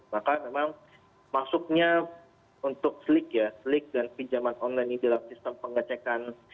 maka memang masuknya untuk slik ya slik dan pinjaman online ini dalam sistem pengecekan